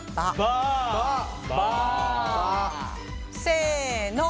せの！